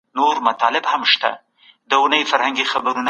هر څوک د خپل کار مسوول دی.